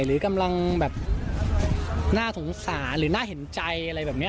หรือกำลังแบบน่าสงสารหรือน่าเห็นใจอะไรแบบนี้